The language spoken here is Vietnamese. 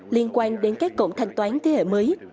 liên quan đến các cổng thanh toán thế hệ mới